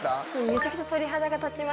めちゃくちゃ。